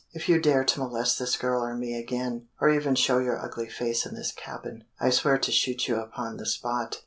If you dare to molest this girl or me again, or even show your ugly face in this cabin, I swear to shoot you upon the spot.